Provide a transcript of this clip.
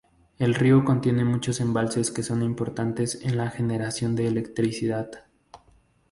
El río contiene muchos embalses que son importantes en la generación de electricidad.